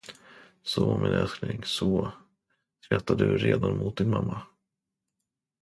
Så, min älskling, så, skrattar du redan mot din mamma.